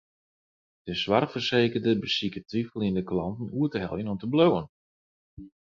De soarchfersekerder besiket twiveljende klanten oer te heljen om te bliuwen.